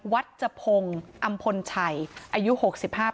พ่อของสทเปี๊ยกบอกว่า